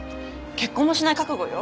結婚もしない覚悟よ。